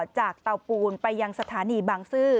เตาปูนไปยังสถานีบางซื่อ